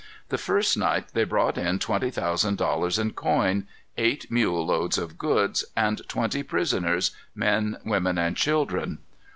The first night they brought in twenty thousand dollars in coin, eight mule loads of goods, and twenty prisoners, men, women, and children.